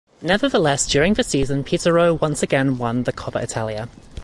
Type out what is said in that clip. Nevertheless, during the season Pizarro once again won the Coppa Italia.